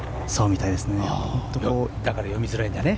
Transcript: だから読みづらいんだね。